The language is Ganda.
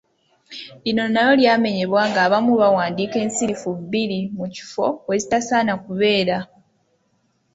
Lino nalyo lyamenyebwa ng'abamu bawandiika ensirifu bbiri mu kifo we zitasaana kubeera.